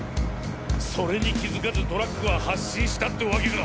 それに気付かずトラックは発進したってワケか。